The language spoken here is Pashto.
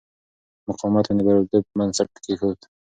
مقاومت مې د بریالیتوب بنسټ کېښود.